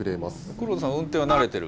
黒田さん、運転は慣れてる？